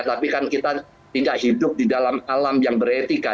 tapi kan kita tidak hidup di dalam alam yang beretika